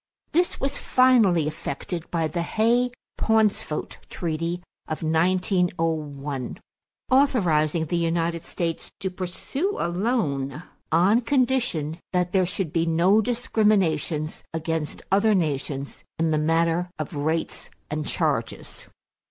This was finally effected by the Hay Pauncefote treaty of 1901 authorizing the United States to proceed alone, on condition that there should be no discriminations against other nations in the matter of rates and charges.